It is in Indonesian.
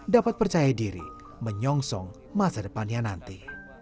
dapat percaya diri menyongsong masa depannya nanti